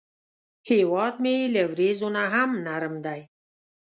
هیواد مې له وریځو نه هم نرم دی